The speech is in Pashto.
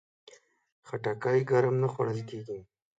خټکی ګرم نه خوړل کېږي.